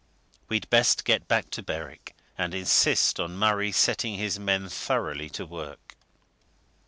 We'd best get back to Berwick, and insist on Murray setting his men thoroughly to work."